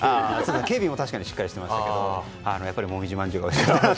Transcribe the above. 警備も確かにしっかりしてましたがもみじまんじゅうがおいしかったです。